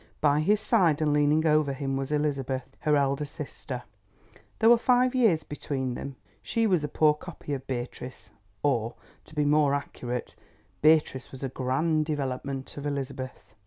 By his side, and leaning over him, was Elizabeth, her elder sister. There was five years between them. She was a poor copy of Beatrice, or, to be more accurate, Beatrice was a grand development of Elizabeth.